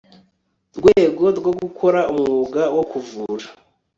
rwego rwo gukora umwuga wo kuvura